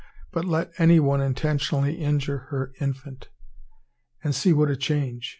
But let any one intentionally injure her infant, and see what a change!